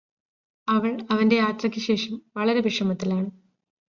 അവൾ അവന്റെ യാത്രക്ക് ശേഷം വളരെ വിഷമത്തിലാണ്